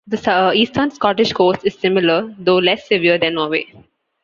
The eastern Scottish coast is similar, though less severe than Norway.